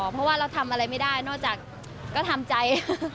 เพราะว่าเราทำอะไรไม่ได้นอกจากก็ทำใจ